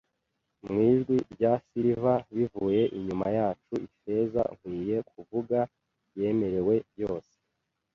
mwijwi rya silver bivuye inyuma yacu. Ifeza, nkwiye kuvuga, yemerewe byose